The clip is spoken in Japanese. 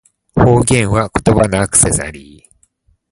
方言は、言葉のアクセサリー